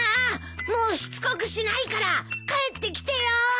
もうしつこくしないから帰ってきてよ！